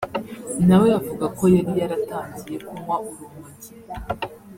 nawe avuga ko yari yaratangiye kunywa urumogi